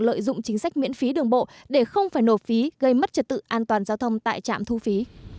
lợi dụng chính sách miễn phí đường bộ để không phải nộp phí gây mất trật tự an toàn giao thông tại trạm thu phí